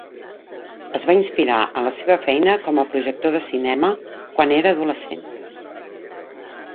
Es va inspirar en la seva feina com a projector de cinema quan era adolescent.